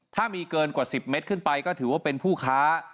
ถ้ามีเกินกว่า๑๐เมตรขึ้นไปก็ถือว่าเป็นผู้ค้า